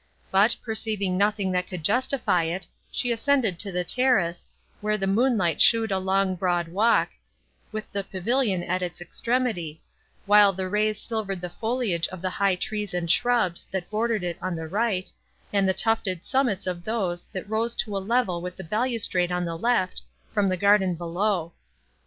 But, perceiving nothing that could justify it, she ascended to the terrace, where the moonlight showed the long broad walk, with the pavilion at its extremity, while the rays silvered the foliage of the high trees and shrubs, that bordered it on the right, and the tufted summits of those, that rose to a level with the balustrade on the left, from the garden below.